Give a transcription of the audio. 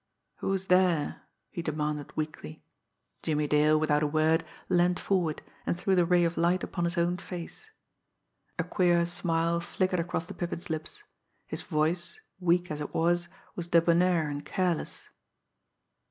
"Who's there?" he demanded weakly. Jimmie Dale, without a word, leaned forward, and threw the ray of light upon his own face. A queer smile flickered across the Pippin's lips; his voice, weak as it was, was debonair and careless.